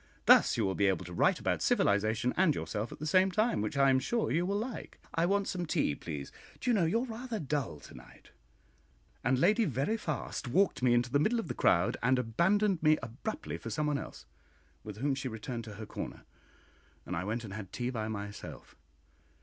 Thus you will be able to write about civilisation and yourself at the same time, which I am sure you will like. I want some tea, please; do you know you are rather dull to night?" And Lady Veriphast walked me into the middle of the crowd, and abandoned me abruptly for somebody else, with whom she returned to her corner, and I went and had tea by myself.